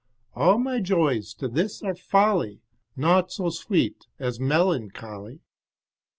All my joys to this are folly, Naught so sweet as melancholy.